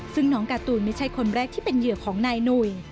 ซึ่งน้องการ์ตูนไม่ใช่คนแรกที่เป็นเหยื่อของนายหนุ่ย